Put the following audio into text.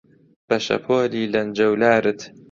بە شەپۆلی لەنجەولارت